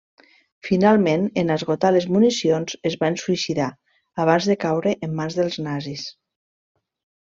Finalment, en esgotar les municions, es van suïcidar abans de caure en mans dels nazis.